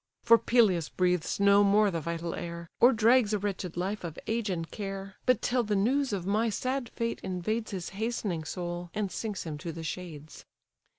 For Peleus breathes no more the vital air; Or drags a wretched life of age and care, But till the news of my sad fate invades His hastening soul, and sinks him to the shades."